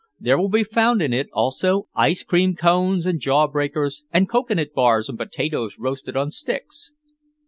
There will be found in it also ice cream cones and jawbreakers and cocoanut bars and potatoes roasted on sticks.